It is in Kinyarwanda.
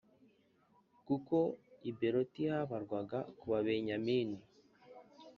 Kuko i Bēroti habarwaga ku Babenyamini